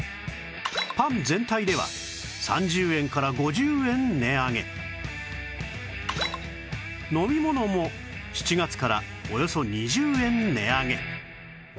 パン全体では３０円から５０円値上げ飲み物も７月からおよそ２０円値上げ